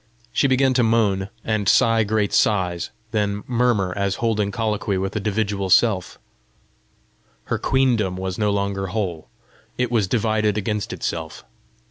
She began to moan, and sigh deep sighs, then murmur as holding colloquy with a dividual self: her queendom was no longer whole; it was divided against itself.